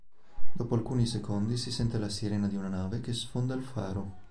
Dopo alcuni secondi si sente la sirena di una nave che sfonda il faro.